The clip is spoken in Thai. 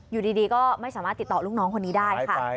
อยู่ดีก็ไม่สามารถติดต่อลูกน้องคนนี้ได้ค่ะ